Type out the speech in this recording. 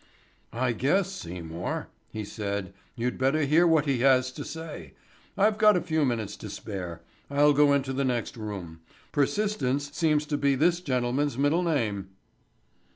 "I guess, Seymour," he said, "you'd better hear what he has to say. I've got a few minutes to spare. I'll go into the next room. Persistence seems to be this gentleman's middle name."